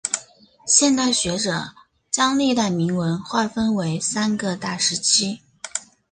现代学者将历代铭文划分为三个大时期。